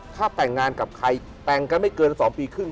ถ้าแต่งงานกับใครแต่งกันไม่เกิน๒ปีครึ่ง